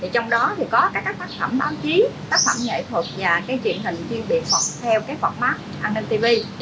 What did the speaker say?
trong đó có các tác phẩm báo chí tác phẩm nghệ thuật và truyền hình chuyên biệt hoặc theo format an ninh tivi